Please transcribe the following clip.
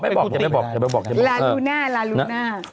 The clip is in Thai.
ราดูหน้าราดูหน้า